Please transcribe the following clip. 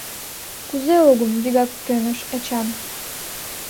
— Кузе огым? — вигак кӧныш Эчан.